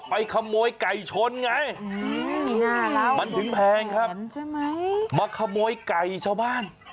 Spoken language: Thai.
ไอ้ไก่ชนเหรอฮะ